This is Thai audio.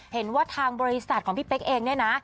เห็นว่าทางบริษัทของพี่เป๊กเองเนี่ยนะ